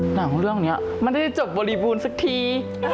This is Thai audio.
หนังเรื่องนี้มันได้จบบริบูรณ์สักที